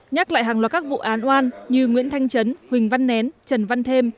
nhắc lại hàng loạt các vụ án oan như nguyễn thanh trấn huỳnh văn nén trần văn thêm